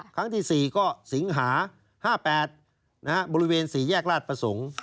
ครั้งที่๔ก็สิงหา๕๘บริเวณ๔แยกราชประสงค์